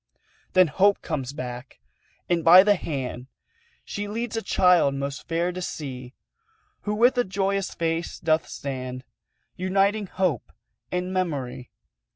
Then Hope comes back, and by the hand She leads a child most fair to see, Who with a joyous face doth stand Uniting Hope and Memory.